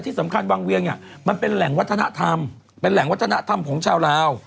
วังเวียงเนี่ยมันเป็นแหล่งวัฒนธรรมเป็นแหล่งวัฒนธรรมของชาวลาว